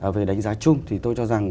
về đánh giá chung thì tôi cho rằng